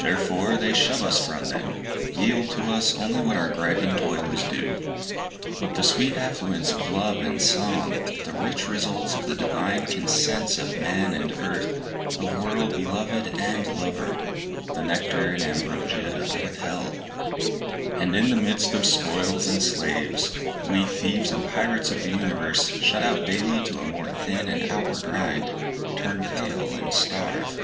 Therefore they shove us from them, yield to us Only what to our griping toil is due; But the sweet affluence of love and song, The rich results of the divine consents Of man and earth, of world beloved and lover, The nectar and ambrosia, are withheld; And in the midst of spoils and slaves, we thieves And pirates of the universe, shut out Daily to a more thin and outward rind, Turn pale and starve.